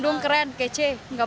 dan itu sangat indah